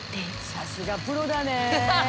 さすがプロだね。